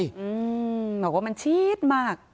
บอกว่ามันชี๊ดมาก